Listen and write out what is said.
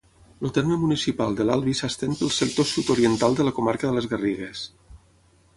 El terme municipal de l'Albi s'estén pel sector sud-oriental de la comarca de les Garrigues.